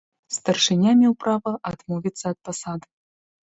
Старшыня меў права адмовіцца ад пасады.